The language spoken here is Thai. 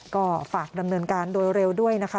ก็ฝากดำเนินการโดยเร็วด้วยนะคะ